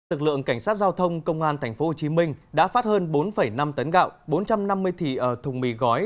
lực lượng cảnh sát giao thông công an tp hcm đã phát hơn bốn năm tấn gạo bốn trăm năm mươi thịt thùng mì gói